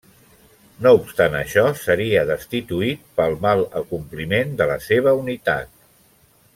No obstant això, seria destituït pel mal acompliment de la seva unitat.